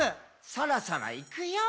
「そろそろいくよー」